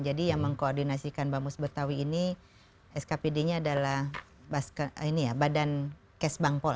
jadi yang mengkoordinasikan bamus betawi ini skpd nya adalah ini ya badan kes bangpol